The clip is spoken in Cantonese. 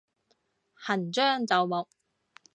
行將就木